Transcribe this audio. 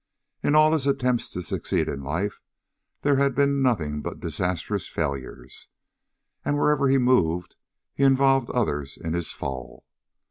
In all his attempts to succeed in life there had been nothing but disastrous failures, and wherever he moved he involved others in his fall.